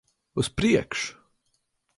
Uz priekšu!